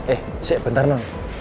eh si bentar non